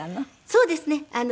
そうですね。